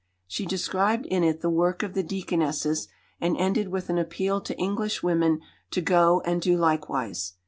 She described in it the work of the Deaconesses, and ended with an appeal to Englishwomen to go and do likewise.